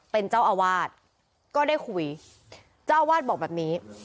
เป็นเจ้าอาวาสก็ได้คุยเจ้าอาวาสบอกแบบนี้